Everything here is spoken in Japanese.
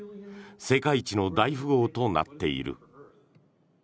世界一の大富豪となっている。